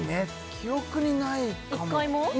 記憶にないかも１回も？